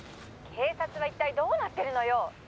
☎警察は一体どうなってるのよ！